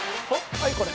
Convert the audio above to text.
はいこれ。